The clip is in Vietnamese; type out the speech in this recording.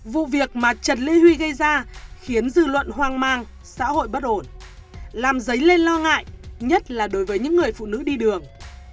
vụ việc mà trần lê huy gây ra khiến dư luận hoang mang xã hội bất ổn làm dấy lên lo ngại nhất là đối với những người phụ nữ đi đường